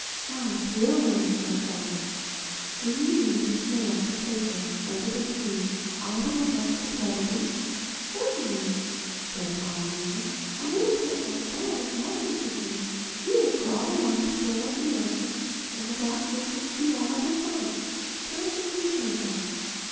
"How thrilling!" I cried. "Do you mean the snail could take us under the sea all the way back to Puddleby?" "Certainly," said Polynesia, "a little trip like that is nothing to him. He would crawl along the floor of the ocean and the Doctor could see all the sights. Perfectly simple.